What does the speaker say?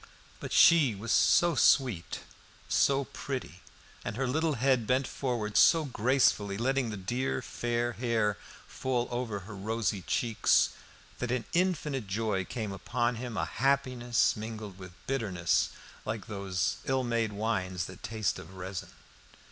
But she was so sweet, so pretty, and her little head bent forward so gracefully, letting the dear fair hair fall over her rosy cheeks, that an infinite joy came upon him, a happiness mingled with bitterness, like those ill made wines that taste of resin.